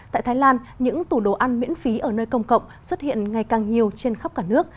tại thái lan những tủ đồ ăn miễn phí ở nơi công cộng xuất hiện ngày càng nhiều trên khắp cả nước